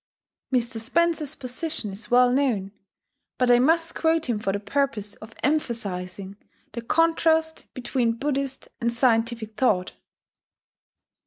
Mr. Spencer's position is well known; but I must quote him for the purpose of emphasizing the contrast between Buddhist and scientific thought